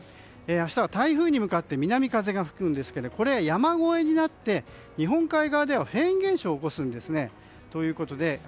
明日は台風に向かって南風が吹くんですけれどもこれ、山越えになって日本海側ではフェーン現象を起こすんですね。